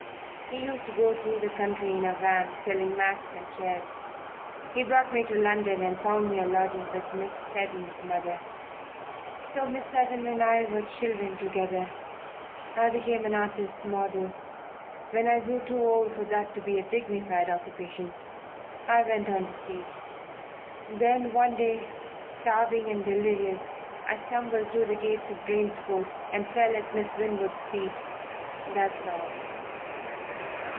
He used to go through the country in a van selling mats and chairs. He brought me to London, and found me a lodging with Miss Seddon's mother. So, Miss Seddon and I were children together. I became an artist's model. When I grew too old for that to be a dignified occupation, I went on the stage. Then one day, starving and delirious, I stumbled through the gates of Drane's Court and fell at Miss Winwood's feet. That's all."